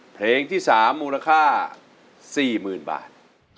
เพลงที่๓มูลค่า๔๐๐๐บาท